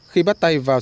khi bắt tay vào